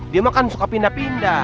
dia mah kan suka pindah pindah